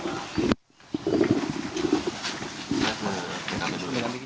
terima kasih banyak pak